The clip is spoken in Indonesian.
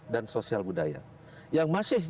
dan sosial budaya yang masih